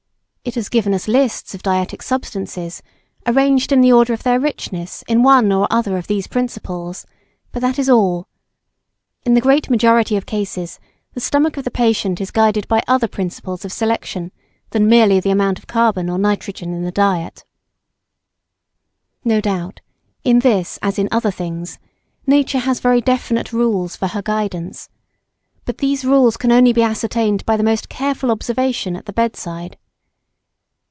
It has given us lists of dietetic substances, arranged in the order of their richness in one or other of these principles; but that is all. In the great majority of cases, the stomach of the patient is guided by other principles of selection than merely the amount of carbon or nitrogen in the diet. No doubt, in this as in other things, nature has very definite rules for her guidance, but these rules can only be ascertained by the most careful observation at the bedside.